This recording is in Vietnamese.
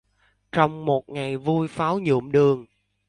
Trong một ngày vui pháo nhuộm đường